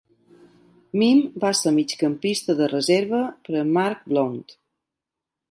Mihm va ser migcampista de reserva per a Mark Blount.